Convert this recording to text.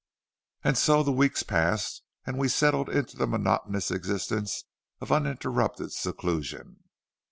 "And so the weeks passed and we settled into the monotonous existence of an uninterrupted seclusion.